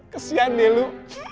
kesian deh lu